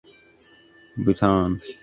Bouton.